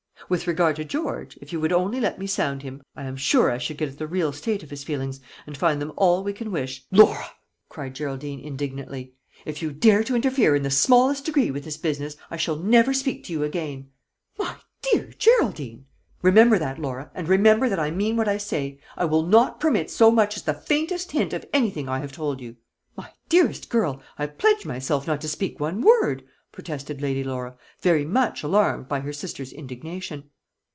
With regard to George, if you would only let me sound him, I am sure I should get at the real state of his feelings and find them all we can wish " "Laura!" cried Geraldine indignantly, "if you dare to interfere, in the smallest degree, with this business, I shall never speak to you again." "My dear Geraldine!" "Remember that, Laura, and remember that I mean what I say. I will not permit so much as the faintest hint of anything I have told you." "My dearest girl, I pledge myself not to speak one word," protested Lady Laura, very much, alarmed by her sister's indignation.